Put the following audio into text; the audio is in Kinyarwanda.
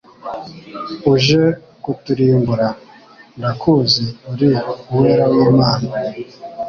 Uje kuturimbura? Ndakuzi uri Uwera w'Imana.»